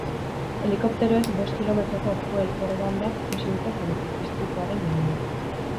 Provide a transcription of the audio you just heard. Helikopteroek bost kilometroko fuel orban bat ikusi dute zerutik, istripuaren gunean.